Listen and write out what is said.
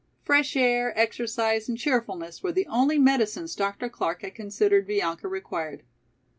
Fresh air, exercise and cheerfulness were the only medicines Dr. Clark had considered Bianca required.